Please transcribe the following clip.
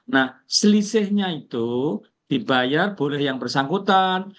nah selisihnya itu dibayar boleh yang bersangkutan